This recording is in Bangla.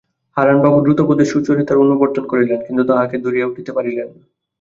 হারানবাবু দ্রুতপদে সুচরিতার অনুবর্তন করিলেন, কিন্তু তাহাকে ধরিয়া উঠিতে পারিলেন না।